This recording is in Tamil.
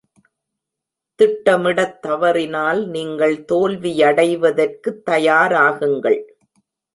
திட்டமிடத் தவறினால் நீங்கள் தோல்வியடைவதற்குத் தயாராகுங்கள்.